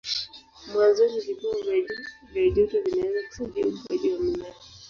Mwanzoni vipimo vya juu vya joto vinaweza kusaidia ukuaji wa mimea.